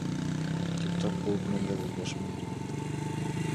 Депутат болуп мен дагы өз башымдан өткөрдүм.